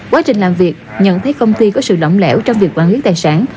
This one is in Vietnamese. quá trình làm việc nhận thấy công ty có sự lỏng lẽo trong việc quản lý tài sản